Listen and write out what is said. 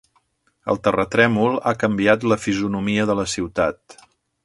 El terratrèmol ha canviat la fisonomia de la ciutat.